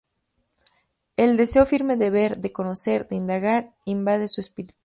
El deseo firme de ver, de conocer, de indagar, invade su espíritu.